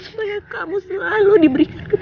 apa yang aku mau lakuin itu untukmu